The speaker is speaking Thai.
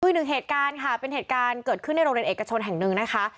อีกหนึ่งเหตุการณ์ค่ะเป็นเหตุการณ์เกิดขึ้นในโรงเรียนเอกชนแห่งหนึ่งนะคะ